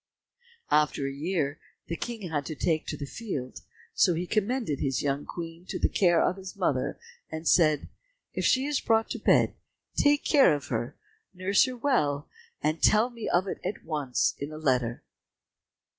After a year the King had to take the field, so he commended his young Queen to the care of his mother and said, "If she is brought to bed take care of her, nurse her well, and tell me of it at once in a letter."